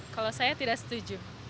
kalau saya tidak setuju